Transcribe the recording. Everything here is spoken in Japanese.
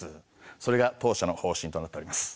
それが当社の方針となっております。